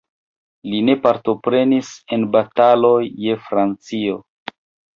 Li ne partoprenis en bataloj je Francio.